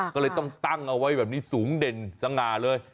ก็เลยต้องตั้งเอาไว้แบบนี้สูงเด่นสง่าเลย